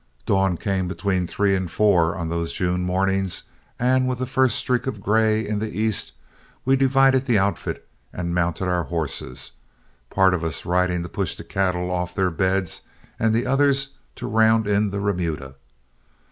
Dawn came between three and four on those June mornings, and with the first streak of gray in the east we divided the outfit and mounted our horses, part riding to push the cattle off their beds and the others to round in the remuda.